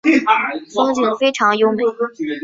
风景非常优美。